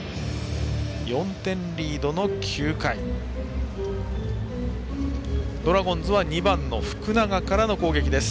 ４点リードの９回ドラゴンズは２番の福永からの攻撃です。